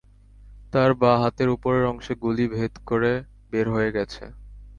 তাঁর বাঁ হাতের ওপরের অংশে গুলি ভেদ করে বের হয়ে গেছে।